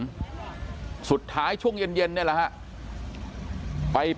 กลุ่มตัวเชียงใหม่